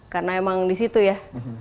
karena emang disitu ya